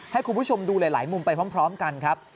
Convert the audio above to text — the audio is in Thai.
ให้คุณผู้ชมดูหลายมุมไปพร้อมกันครับ